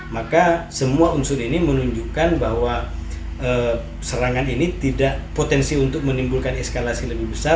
maka semua unsur ini menunjukkan bahwa serangan ini tidak potensi untuk menimbulkan eskalasi lebih besar